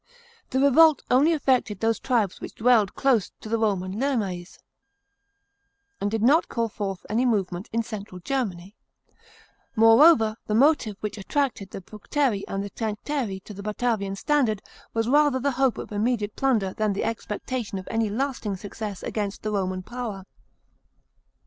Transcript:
The revolt only affected those trills which dwelled close to the Roman limes, and did not call forth any movement in central Germany. Moreover, the motive which attracted the Bructeri and Tencteri to the Batavian standard was rather the hope of immediate plunder than the expectation of any lasting success against the Roman power.